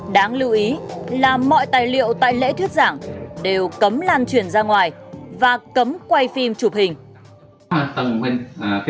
đáng lưu ý là mọi tài liệu tại lễ thuyết giảng đều cấm lan truyền ra ngoài và cấm quay phim chụp hình